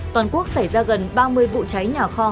toàn quốc xảy ra gần ba mươi vụ cháy nhà kho